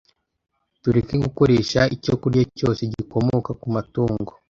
Tureke gukoresha icyo kurya cyose gikomoka ku matungo